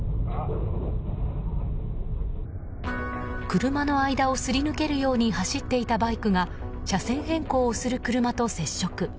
車の間をすり抜けるように走っていたバイクが車線変更をする車と接触。